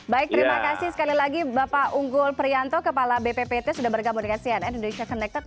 baik terima kasih sekali lagi bapak unggul prianto kepala bppt sudah bergabung dengan cnn indonesia connected